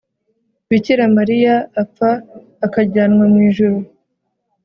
bikira mariya apfa akajyanwa mu ijuru